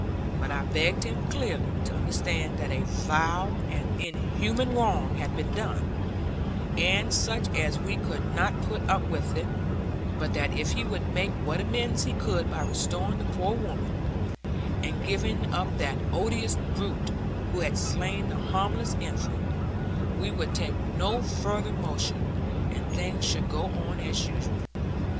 But I begged him clearly to understand that a vile and inhuman wrong had been done, and such as we could not put up with; but that if he would make what amends he could by restoring the poor woman, and giving up that odious brute who had slain the harmless infant, we would take no further motion; and things should go on as usual.